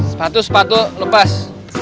sepatu sepatu lepas